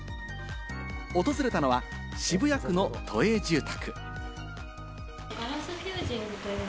訪れたのは渋谷区の都営住宅。